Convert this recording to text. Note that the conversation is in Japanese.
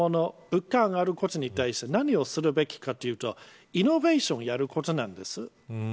物価が上がることに対して何をするべきかというとイノベーションをやることなんです。